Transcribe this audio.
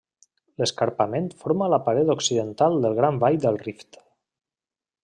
L'escarpament forma la paret occidental del Gran Vall del Rift.